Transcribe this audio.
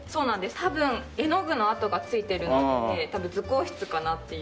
多分絵の具の跡がついてるので図工室かなっていう。